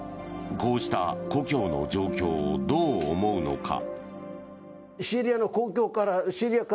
こうした故郷の状況をどう思うのか。